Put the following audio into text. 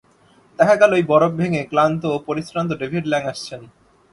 দেখা গেল, এই বরফ ভেঙে ক্লান্ত ও পরিশ্রান্ত ডেভিড ল্যাং আসছেন।